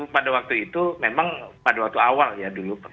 pada waktu itu memang pada waktu awal ya dulu